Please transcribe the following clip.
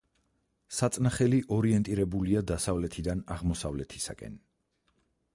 საწნახელი ორიენტირებულია დასავლეთიდან აღმოსავლეთისაკენ.